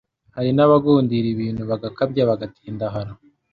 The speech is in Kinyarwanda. hari n’abagundira ibintu bagakabya bagatindahara